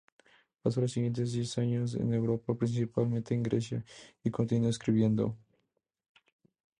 Pasó los siguientes diez años en Europa, principalmente en Grecia, y continuó escribiendo.